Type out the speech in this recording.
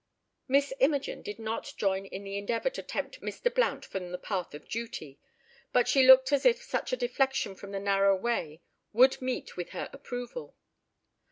Miss Imogen did not join in the endeavour to tempt Mr. Blount from the path of duty, but she looked as if such a deflection from the narrow way would meet with her approval.